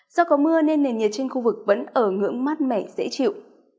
do có mưa nên nền nhiệt trên khu vực vẫn ở ngưỡng mát mẻ dễ chịu